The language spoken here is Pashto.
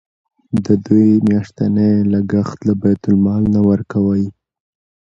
د دوی میاشتنی لګښت له بیت المال نه ورکوئ.